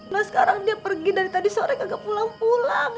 nah sekarang dia pergi dari tadi sore kagak pulang pulang